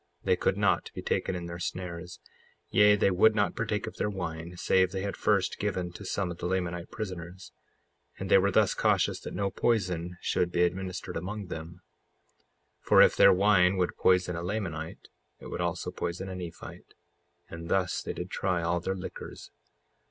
They could not be taken in their snares; yea, they would not partake of their wine, save they had first given to some of the Lamanite prisoners. 55:32 And they were thus cautious that no poison should be administered among them; for if their wine would poison a Lamanite it would also poison a Nephite; and thus they did try all their liquors.